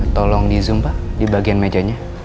tolong di zoom pak di bagian mejanya